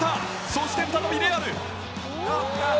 そして再びレアル！